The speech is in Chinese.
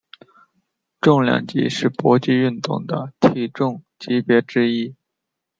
重量级是搏击运动的体重级别之一。